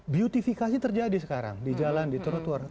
beautifikasi terjadi sekarang di jalan di trot warna